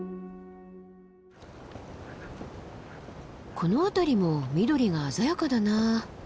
この辺りも緑が鮮やかだな。